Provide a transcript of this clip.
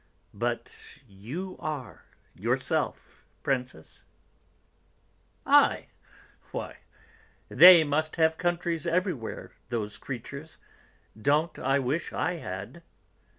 "But you are, yourself, Princess!" "I! Why, they must have 'countries' everywhere, those creatures! Don't I wish I had!"